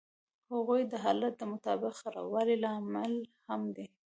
هغوی د حالت د مطلق خرابوالي لامل هم دي